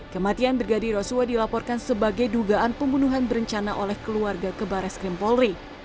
kematian brigadir yoso hota dilaporkan sebagai dugaan pembunuhan berencana oleh keluarga kebares krim polri